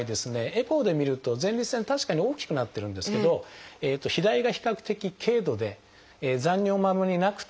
エコーで見ると前立腺確かに大きくなってるんですけど肥大が比較的軽度で残尿もあんまりなくてですね